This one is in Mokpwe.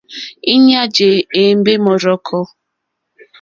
Íɲá jé ěmbé mɔ́rzɔ̀kɔ̀.